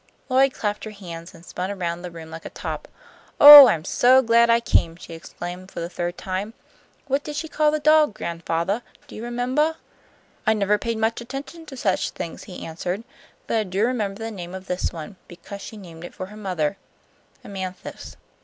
Lloyd clapped her hands and spun around the room like a top. "Oh, I'm so glad I came!" she exclaimed for the third time. "What did she call the doll, gran'fathah, do you remembah?" "I never paid much attention to such things," he answered, "but I do remember the name of this one, because she named it for her mother, Amanthis."